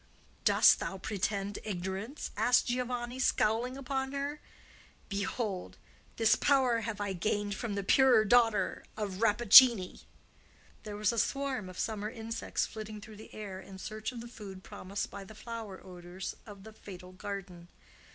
"Dost thou pretend ignorance?" asked Giovanni, scowling upon her. "Behold! this power have I gained from the pure daughter of Rappaccini." There was a swarm of summer insects flitting through the air in search of the food promised by the flower odors of the fatal garden.